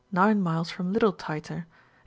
9 miles from Little Tyter; and S.